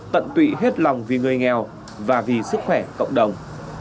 tận tụy hết lòng vì người nghèo và vì sức khỏe cộng đồng